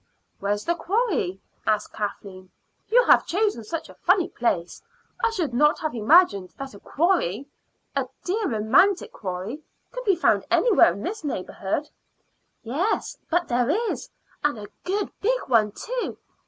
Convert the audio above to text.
"Where's the quarry?" asked Kathleen. "You have chosen such a funny place. I should not have imagined that a quarry a dear, romantic quarry could be found anywhere in this neighborhood." "Yes, but there is, and a good big one, too.